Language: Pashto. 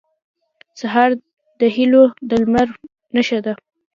سهار د هيلو د لمر نښه ده.